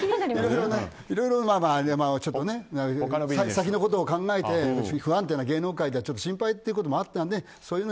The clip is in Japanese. まあ、先のことを考えて不安定な芸能界じゃちょっと心配ということもあったので。